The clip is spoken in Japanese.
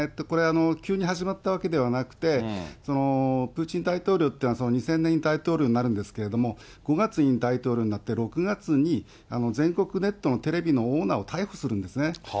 これ、急に始まったわけではなくて、プーチン大統領っていうのは２０００年に大統領になるんですけれども、５月に大統領になって、６月に全国ネットのテレビのオーナーを逮捕するんですね。